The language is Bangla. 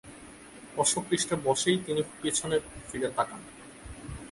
অশ্বপৃষ্ঠে বসেই তিনি পেছনে ফিরে তাকান।